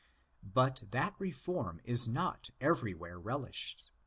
'' But that reform is not everywhere relished.